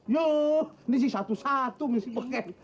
yuh ini si satu satu nih si beken